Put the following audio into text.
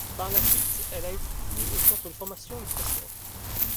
Par la suite elle a étudié au centre de formation Le Fresnoy.